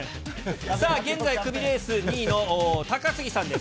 さあ、現在、クビレース２位の高杉さんです。